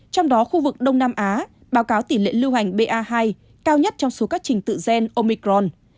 trong đó khu vực đông nam á báo cáo tỷ lệ lưu hành ba hai cao nhất trong số các trình tự gen omicron